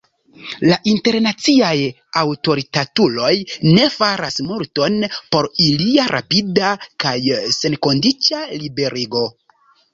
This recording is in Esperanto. La internaciaj aŭtoritatuloj ne faras multon por ilia rapida kaj senkondiĉa liberigo.